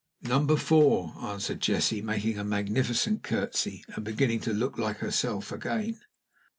"Number Four," answered Jessie, making a magnificent courtesy, and beginning to look like herself again.